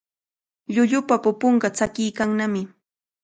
Llullupa pupunqa tsakiykannami.